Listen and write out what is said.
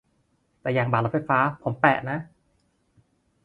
แต่อย่างบัตรรถไฟฟ้าผมแปะนะ